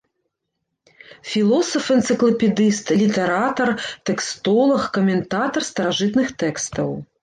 Філосаф-энцыклапедыст, літаратар, тэкстолаг, каментатар старажытных тэкстаў.